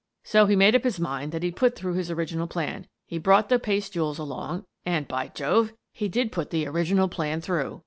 So he made up his mind that he'd put through his original plan. He brought the paste jewels along and — by Jove! — he did put the original plan through.